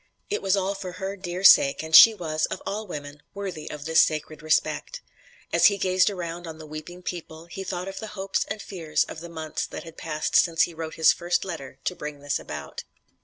It was all for her dear sake, and she was, of all women, worthy of this sacred respect. As he gazed around on the weeping people, he thought of the hopes and fears of the months that had passed since he wrote his first letter to bring this about.